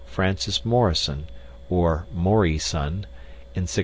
Francis Morrison (or Moryson) in 1661.